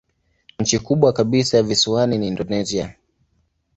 Nchi kubwa kabisa ya visiwani ni Indonesia.